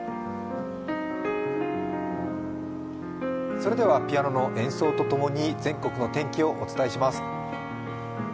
それでは、ピアノの演奏と共に全国の天気をお伝えします。